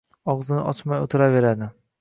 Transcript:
og‘zini ochmay o‘tiraveradi.